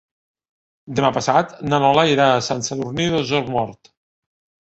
Demà passat na Lola irà a Sant Sadurní d'Osormort.